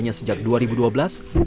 yang dideritanya sejak dua ribu dua belas